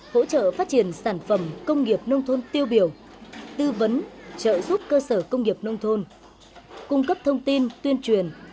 hỗ trợ phát triển sản phẩm công nghiệp nông thôn tiêu biểu tư vấn trợ giúp cơ sở công nghiệp nông thôn cung cấp thông tin tuyên truyền